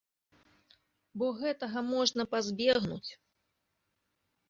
Бо гэтага можна пазбегнуць.